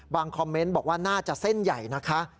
คอมเมนต์บอกว่าน่าจะเส้นใหญ่นะคะ